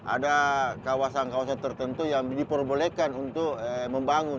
ada kawasan kawasan tertentu yang diperbolehkan untuk membangun